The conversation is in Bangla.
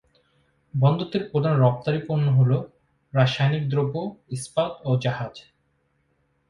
বন্দরটির প্রধান রপ্তানি পন্য হল- রাসায়নিক দ্রব্য, ইস্পাত ও জাহাজ।